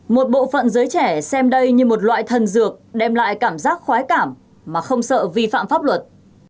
một bộ phận giới trẻ xem đây như một loại thần dược đem lại cảm giác khói cảm mà không sợ vi phạm pháp luật